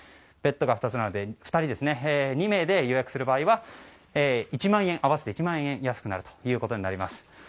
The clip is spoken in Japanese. ベッドが２つなので２名で予約する場合は合わせて１万円安くなるということになります。